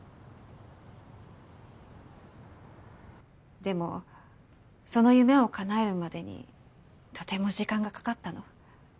でもその夢をかなえるまでにとても時間がかかったの。